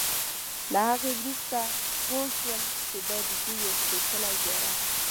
له هغې وروسته پوی شول چې دا ددوی یو سپېڅلی زیارت دی.